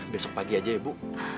besok pagi aja ibu